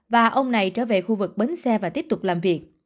và ông này trở về khu vực bến xe và tiếp tục làm việc